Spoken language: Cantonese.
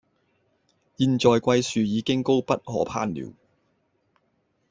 現在槐樹已經高不可攀了，